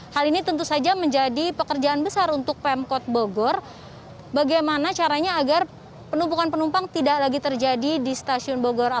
hal ini tentu saja menjadi pekerjaan besar untuk pemkot bogor bagaimana caranya agar penumpukan penumpang tidak lagi terjadi di stasiun bogor